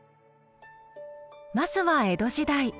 まずは江戸時代。